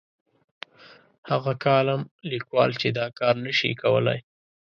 هغه کالم لیکوال چې دا کار نه شي کولای.